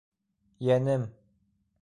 Йәнем!